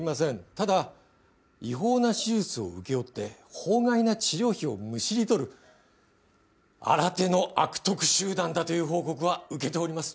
ただ違法な手術を請け負って法外な治療費をむしり取る新手の悪徳集団だという報告は受けております